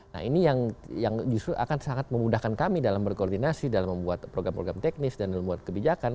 nah ini yang justru akan sangat memudahkan kami dalam berkoordinasi dalam membuat program program teknis dan membuat kebijakan